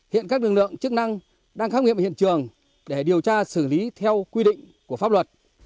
hiện các lực lượng chức năng đang khám nghiệm hiện trường để điều tra xử lý theo quy định của pháp luật